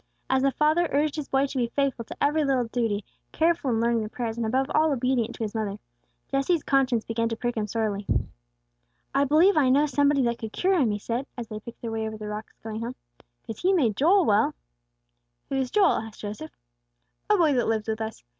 As the father urged his boy to be faithful to every little duty, careful in learning the prayers, and above all obedient to his mother, Jesse's conscience began to prick him sorely. "I believe I know somebody that could cure him," he said, as they picked their way over the rocks, going home. "'Cause He made Joel well." "Who's Joel?" asked Joseph. "A boy that lives with us.